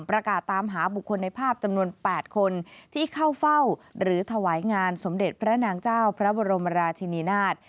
ประกาศตามหาบุคคลในภาพจำนวน๘คนที่เข้าเฝ้าหรือถวายงานสมเด็จพระนางเจ้าพระบรมราชินีนาฏ